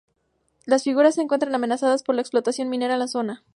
Las figuras se encuentran amenazadas por la explotación minera en la zona.